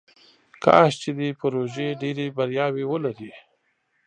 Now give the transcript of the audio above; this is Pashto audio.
کاش چې دې پروژې ډیرې بریاوې ولري.